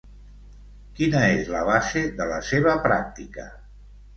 Quina és la base de la seva pràctica?